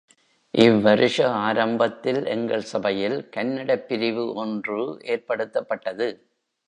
இவ் வருஷ ஆரம்பத்தில் எங்கள் சபையில் கன்னடப் பிரிவு ஒன்று ஏற்படுத்தப்பட்டது.